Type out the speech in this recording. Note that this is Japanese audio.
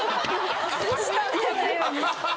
見えないように。